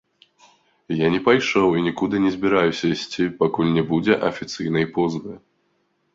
Я не пайшоў і нікуды не збіраюся ісці, пакуль не будзе афіцыйнай позвы.